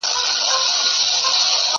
پېښه د تماشې بڼه اخلي او درد پټيږي